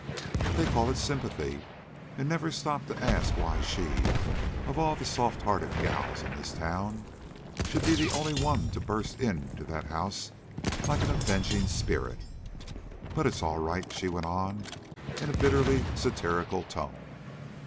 They call it sympathy, and never stop to ask why she, of all the soft hearted gals in the town, should be the only one to burst into that house like an avenging spirit! But it's all right," she went on, in a bitterly satirical tone.